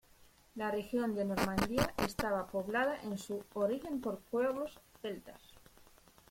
La región de Normandía estaba poblada en su origen por pueblos celtas.